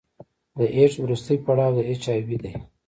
د ایډز وروستی پړاو د اچ آی وي دی.